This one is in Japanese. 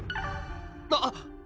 あっ！